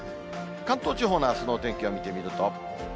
関東地方のあすのお天気を見てみると。